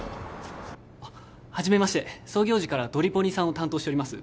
はじめまして創業時からドリポニさんを担当しております